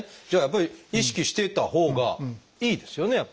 じゃあやっぱり意識していたほうがいいですよね